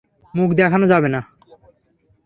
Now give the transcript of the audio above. মুখ দেখানো যাবে না।